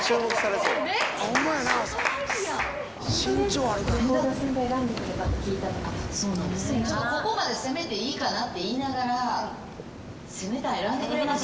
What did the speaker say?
言いながら。